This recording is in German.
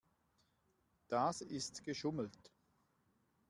Das ist geschummelt.